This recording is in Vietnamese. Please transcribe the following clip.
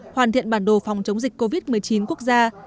hoàn thiện bản đồ phòng chống dịch covid một mươi chín quốc gia